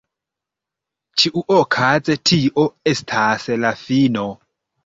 Ĉiuokaze tio estas la fino.